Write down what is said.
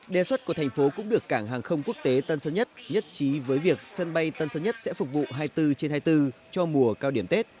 đề xuất của thành phố cũng được cảng hàng không quốc tế tân sơn nhất nhất trí với việc sân bay tân sơn nhất sẽ phục vụ hai mươi bốn trên hai mươi bốn cho mùa cao điểm tết